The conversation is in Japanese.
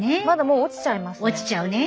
もう落ちちゃいますね。